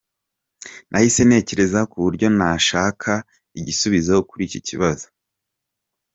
Nahise ntekereza ku buryo nashaka igisubizo kuri iki kibazo.